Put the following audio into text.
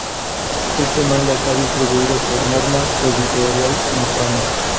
Este manga está distribuido por Norma Editorial en España.